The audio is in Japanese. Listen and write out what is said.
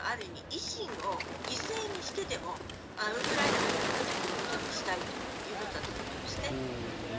威信を犠牲にしてでもウクライナがやったということにしたいということだったと思います。